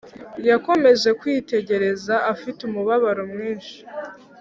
yakomeje kwitegereza afite umubabaro mwinshi